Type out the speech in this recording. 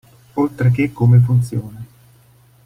Oltre che come funziona.